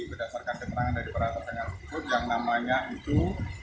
berdasarkan keterangan dari para tersangka tersebut yang namanya itu